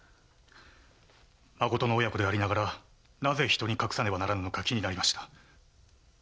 まことの親子でありながらなぜ人に隠さねばならぬのか気になりました。